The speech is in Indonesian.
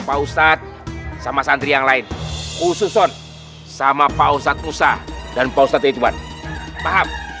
pak ustadz sama sandri yang lain ususon sama pausat usa dan faustus itu kan paham